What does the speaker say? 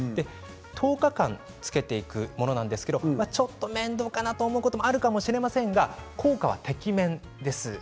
１０日間、記録していくものなんですがちょっと面倒かなと思うこともあるかもしれませんが効果は、てきめんです。